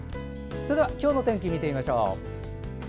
それでは今日の天気見ていきましょう。